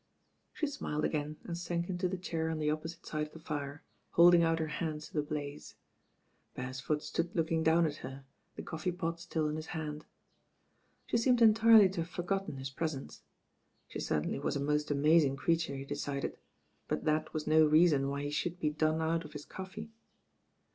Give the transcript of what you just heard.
She smiled again and sank into the chair on the opposite side of the fire, holding out her hands to the blaze. Beresford stood looking down at her, the coffee pot still in his hand. She seemed entirely to have forgotten his pres ence* She certainly was a most amazing creature, he decided; but that was no reason why he should be done out of his coffee.